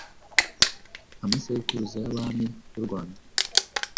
Amasekuruza y'Abami b'u Rwanda.